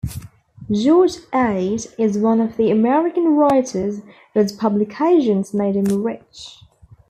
George Ade is one of the American writers whose publications made him rich.